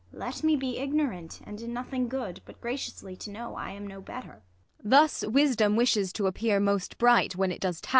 IsAB. Let me be ignorant, and in nothing good, But graciously to know I am no better. Ang. Thus wisdom wishes to appear most bright, When it does ta.